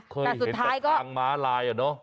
เคยเห็นทางมะลายอะเนาะ